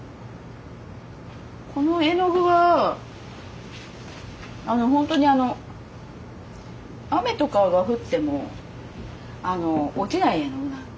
この絵の具は本当にあの雨とかが降っても落ちない絵の具なので。